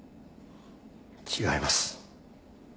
違います。